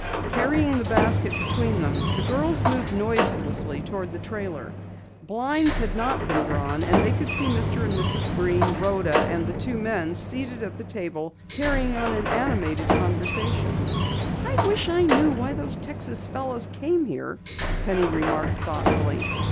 Carrying the basket between them, the girls moved noiselessly toward the trailer. Blinds had not been drawn and they could see Mr. and Mrs. Breen, Rhoda, and the two men seated at the table carrying on an animated discussion. "I wish I knew why those Texas fellows came here," Penny remarked thoughtfully.